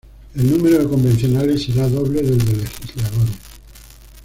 El número de convencionales será doble del de Legisladores.